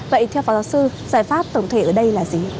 vậy theo phó giáo sư giải pháp tổng thể ở đây là gì